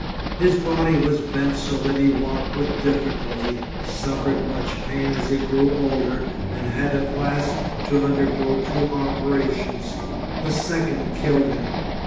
His body was bent so that he walked with difficulty, suffered much pain as he grew older, and had at last to undergo two operations. The second killed him.